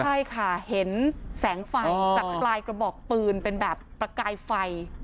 ใช่ค่ะเห็นแสงไฟจากปลายกระบอกปืนเป็นแบบประกายไฟ